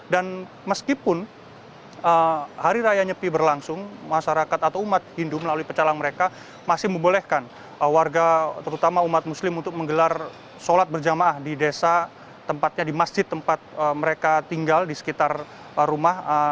dan meskipun hari raya nyepi berlangsung masyarakat atau umat hindu melalui pecalang mereka masih membolehkan warga terutama umat muslim untuk menggelar sholat berjamaah di desa tempatnya di masjid tempat mereka tinggal di sekitar rumah